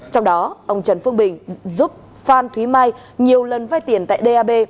trong đó ông trần phương bình giúp phan thúy mai nhiều lần vai tiền tại d a b